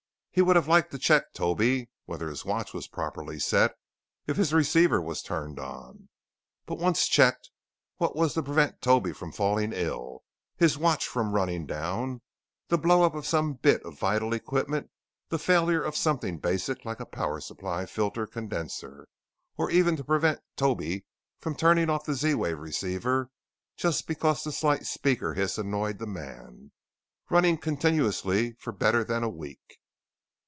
He would have liked to check Toby, whether his watch was properly set; if his receiver was turned on. But once checked, what was to prevent Toby from falling ill, his watch from running down, the blowup of some bit of vital equipment, the failure of something basic like a power supply filter condenser, or even to prevent Toby from turning off the Z wave receiver just because the slight speaker hiss annoyed the man, running continuously for better than a week.